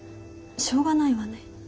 しょうがないわね。